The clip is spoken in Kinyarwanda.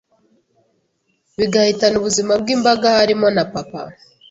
bigahitana ubuzima bw’imbaga harimo na papa,